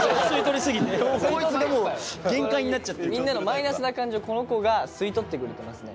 みんなのマイナスな感情をこの子が吸い取ってくれてますね。